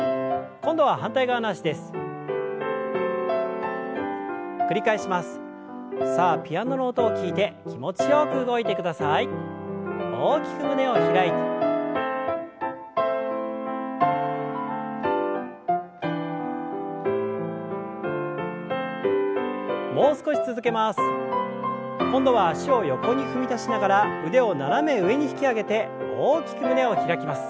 今度は脚を横に踏み出しながら腕を斜め上に引き上げて大きく胸を開きます。